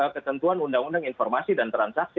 ketentuan undang undang informasi dan transaksi